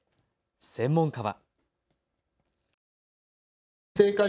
専門家は。